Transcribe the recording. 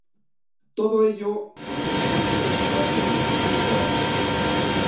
Todo ello a semejanza del palacio de Chambord.